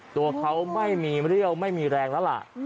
ตัวเขาไม่มีเรี่ยวไม่มีแรงแล้วล่ะ